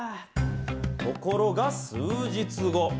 ところが、数日後。